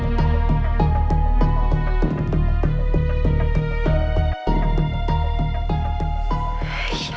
nanti pak jajah akan datang